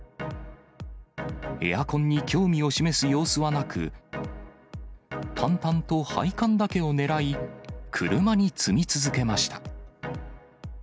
エアコンに興味を示す様子はなく、淡々と配管だけを狙い、車に積み続けました。